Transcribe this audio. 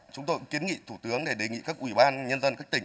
chúng tôi kiến nghị thủ tướng để đề nghị các ủy ban nhân dân các tỉnh